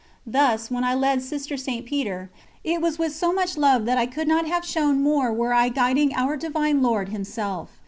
Thus when I led Sister St. Peter, it was with so much love that I could not have shown more were I guiding Our Divine Lord Himself.